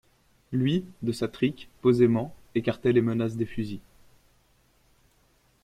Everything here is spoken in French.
Lui, de sa trique, posément, écartait les menaces des fusils.